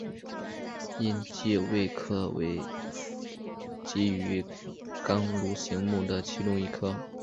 隐棘鳚科为辐鳍鱼纲鲈形目的其中一个科。